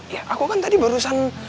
ya aku kan tadi barusan